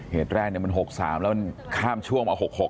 เหตุแรกนี้มัน๖๓แล้วมันข้ามช่วง๖๖อะ